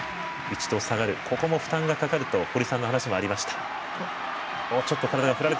ここも、負担がかかると堀さんの話がありました。